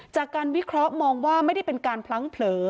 วิเคราะห์มองว่าไม่ได้เป็นการพลั้งเผลอ